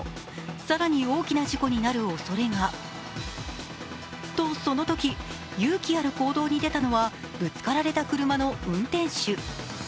更に大きな事故になるおそれが。と、そのとき、勇気ある行動に出たのはぶつけられた車の運転手。